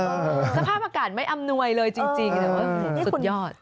สภาพอากาศไม่อำนวยเลยจริงแต่ว่าสุดยอด